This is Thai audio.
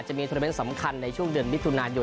จะมีธุรกิจสำคัญในช่วงเดือนวิทยุนายน